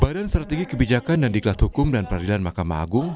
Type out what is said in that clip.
badan strategi kebijakan dan diklat hukum dan peradilan mahkamah agung